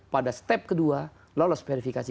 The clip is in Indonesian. pada step kedua lolos verifikasi